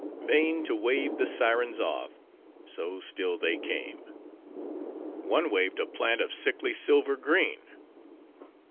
Vain to wave the sirens off; so still they came. One waved a plant of sickly silver green.